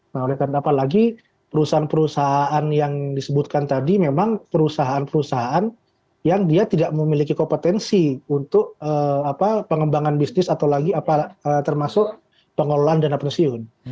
nah oleh karena apa lagi perusahaan perusahaan yang disebutkan tadi memang perusahaan perusahaan yang dia tidak memiliki kompetensi untuk pengembangan bisnis atau lagi termasuk pengelolaan dana pensiun